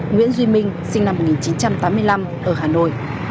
nguyễn duy minh sinh năm một nghìn chín trăm tám mươi năm ở hà nội